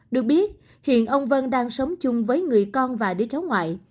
được biết hiện ông vân đang sống chung với người con và đứa cháu ngoại